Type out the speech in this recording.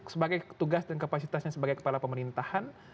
sebagai tugas dan kapasitasnya sebagai kepala pemerintahan